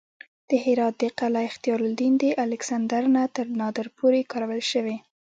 د هرات د قلعه اختیارالدین د الکسندر نه تر نادر پورې کارول شوې